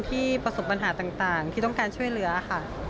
ประสบปัญหาต่างที่ต้องการช่วยเหลือค่ะ